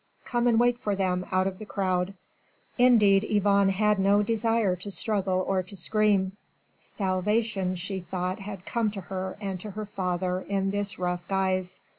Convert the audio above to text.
come and wait for them out of the crowd!" Indeed Yvonne had no desire to struggle or to scream. Salvation she thought had come to her and to her father in this rough guise.